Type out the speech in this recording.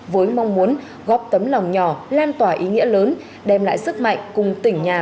với mong muốn góp tấm lòng nhỏ lan tỏa ý nghĩa lớn đem lại sức mạnh cùng tỉnh nhà